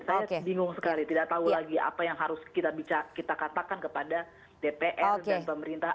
saya bingung sekali tidak tahu lagi apa yang harus kita katakan kepada dpr dan pemerintah